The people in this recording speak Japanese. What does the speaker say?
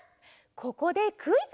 ここでクイズ！